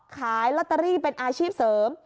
ขายลอตเตอรี่เป็นอาชีพเสริม